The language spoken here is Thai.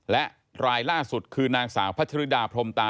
และรายล่าสุดคือนางสาวพัชริดาพรมตา